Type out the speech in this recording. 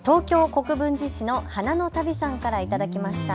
国分寺市の花の旅さんから頂きました。